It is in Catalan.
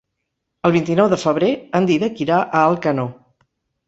El vint-i-nou de febrer en Dídac irà a Alcanó.